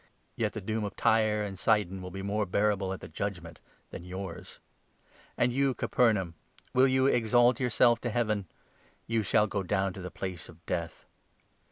Yet the doom of Tyre 14 and Sidon will be more bearable at the Judgement than yours. And you, Capernaum ! Will you ' exalt your 15 self to Heaven '?' You shall go down to the Place of Death.'